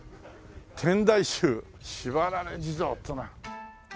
「天台宗しばられ地蔵」っていうのは。